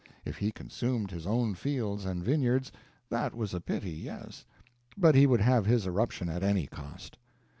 If he consumed his own fields and vineyards, that was a pity, yes; but he would have his eruption at any cost.